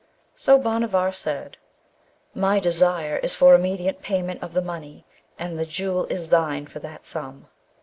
So Bhanavar said, 'My desire is for immediate payment of the money, and the Jewel is thine for that sum.'